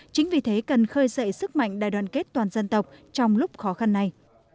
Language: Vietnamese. chính vì thế cần khơi sậy sức mạnh đài đoàn kết toàn dân tộc trong lúc khó khăn này